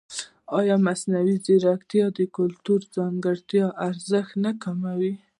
ایا مصنوعي ځیرکتیا د کلتوري ځانګړتیاوو ارزښت نه کموي؟